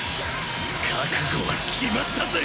覚悟は決まったぜ！